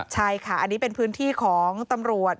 ใช่ค่ะอันนี้เป็นพื้นที่ของตำรวจ